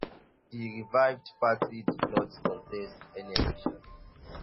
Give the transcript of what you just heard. The revived party did not contest any election.